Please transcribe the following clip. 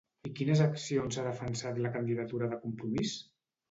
I quines accions ha defensat la candidata de Compromís?